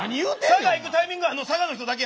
佐賀行くタイミングは佐賀の人だけや。